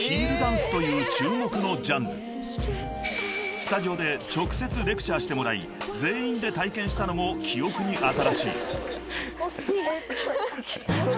［スタジオで直接レクチャーしてもらい全員で体験したのも記憶に新しい］